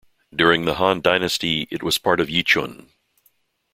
During the Han dynasty, it was part of Yichun.